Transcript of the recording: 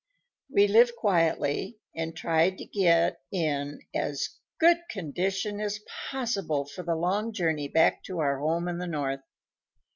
We lived quietly and tried to get in as good condition as possible for the long journey back to our home in the North.